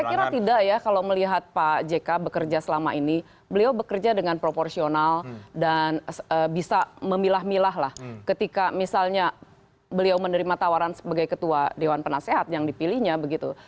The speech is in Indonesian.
saya kira tidak ya kalau melihat pak jk bekerja selama ini beliau bekerja dengan proporsional dan bisa memilah milah lah ketika misalnya beliau menerima tawaran sebagai ketua dewan penasehat yang dipilihnya begitu